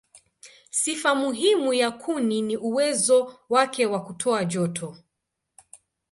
Sifa muhimu ya kuni ni uwezo wake wa kutoa joto.